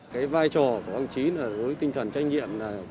cái vai trò của ông trí là đối với tinh thần trách nhiệm